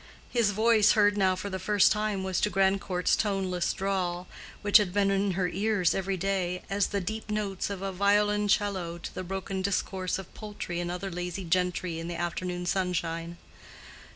His voice, heard now for the first time, was to Grandcourt's toneless drawl, which had been in her ears every day, as the deep notes of a violoncello to the broken discourse of poultry and other lazy gentry in the afternoon sunshine.